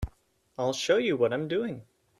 I'll show you what I'm doing.